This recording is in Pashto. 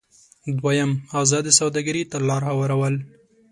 دویم: ازادې سوداګرۍ ته لار هوارول.